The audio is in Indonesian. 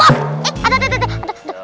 eh aduh aduh aduh